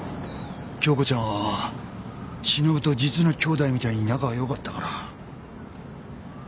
京子ちゃんは忍と実の姉妹みたいに仲がよかったから。